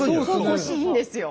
惜しいんですよ。